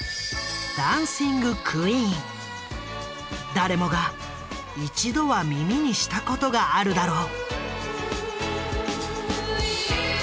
誰もが一度は耳にしたことがあるだろう。